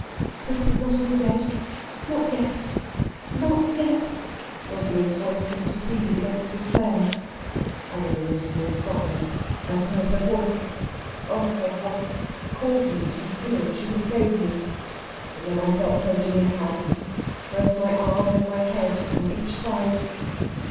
"Hope is not all dead not yet, not yet!" Rosalind's voice seemed to plead against despair. "I know, Rosey dearest not yet. I heard her voice ... oh, her voice!... call to me to be still, and she would save me. And then I felt her dear hand ... first my arm, then my head, on each side."